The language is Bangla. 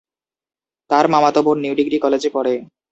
তার মামাতো বোন নিউ ডিগ্রি কলেজে পড়ে।